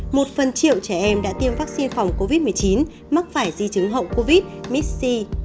một phần triệu trẻ em đã tiêm vaccine phòng covid một mươi chín mắc phải di chứng hậu covid mxxi